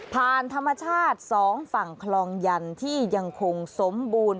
ธรรมชาติ๒ฝั่งคลองยันที่ยังคงสมบูรณ์